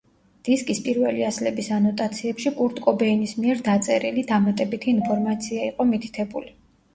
დისკის პირველი ასლების ანოტაციებში კურტ კობეინის მიერ დაწერილი დამატებითი ინფორმაცია იყო მითითებული.